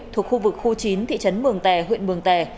thuộc khu vực khu chín thị trấn mường tè huyện mường tè